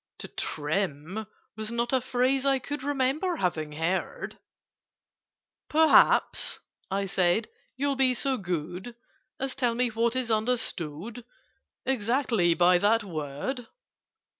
"To trim" was not a phrase I could Remember having heard: "Perhaps," I said, "you'll be so good As tell me what is understood Exactly by that word?"